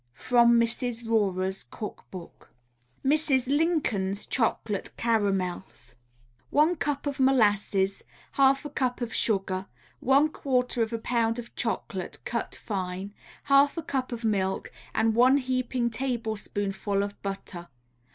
From Mrs. Rorer's Cook Book. MRS. LINCOLN'S CHOCOLATE CARAMELS One cup of molasses, half a cup of sugar, one quarter of a pound of chocolate cut fine, half a cup of milk, and one heaping tablespoonful of butter.